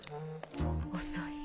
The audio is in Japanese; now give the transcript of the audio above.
遅い。